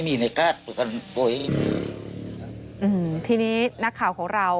มีแต่คำว่า